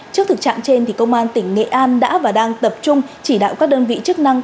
trước thực trạng trên công an tỉnh nghệ an đã và đang tập trung chỉ đạo các đơn vị chức năng